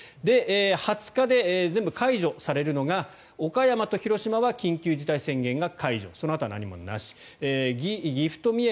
２０日で全部解除されるのが岡山と広島は緊急事態宣言が解除。